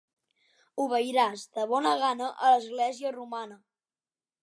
Obeiràs de bona gana a l'Església romana.